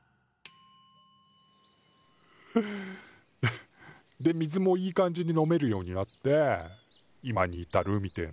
フッで水もいい感じに飲めるようになって今に至るみてえな。